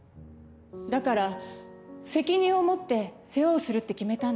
だから責任を持って世話をするって決めたんです。